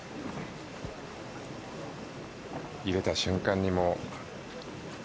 入れた瞬間に。